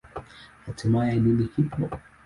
Hatimaye, nini kipo?